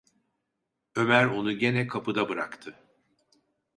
Ömer onu gene kapıda bıraktı.